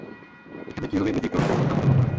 এখানে কিভাবে এর ব্যতিক্রম করল তা বোধগম্য নয়।